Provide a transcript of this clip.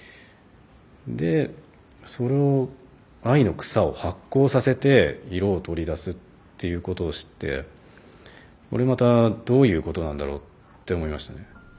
でそれを藍の草を発酵させて色を取り出すっていうことを知ってこれまたどういうことなんだろうって思いましたね。